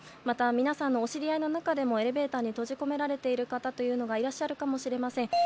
また、皆さんのお知り合いにもエレベーターに閉じ込められている方がいらっしゃるかもしれません。